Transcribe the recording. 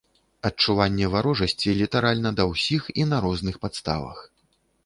Адчуванне варожасці літаральна да ўсіх і на розных падставах.